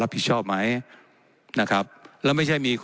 และยังเป็นประธานกรรมการอีก